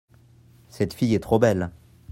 cette fille est trop belle.